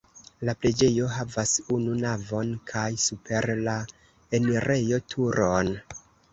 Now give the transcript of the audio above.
La preĝejo havas unu navon kaj super la enirejo turon.